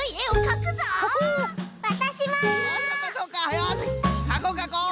よしかこうかこう！